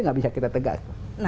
tidak bisa kita tegak